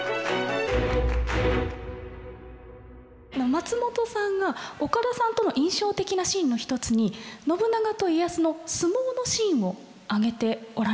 松本さんが岡田さんとの印象的なシーンの一つに信長と家康の相撲のシーンを挙げておられました。